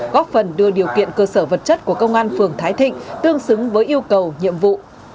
góp phần đưa điều kiện cơ sở vật chất của công an phường thái thịnh tương xứng với yêu cầu nhiệm vụ